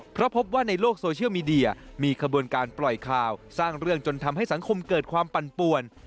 เพราะพบว่าในโลกโซเชียลมีเดียมีขบวนการปล่อยข่าวสร้างเรื่องจนทำให้สังคมเกิดความปั่นป่วน